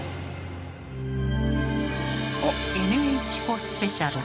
「ＮＨコスペシャル」。